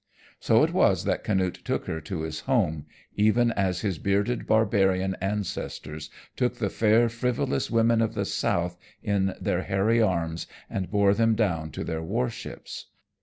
So it was that Canute took her to his home, even as his bearded barbarian ancestors took the fair frivolous women of the South in their hairy arms and bore them down to their war ships.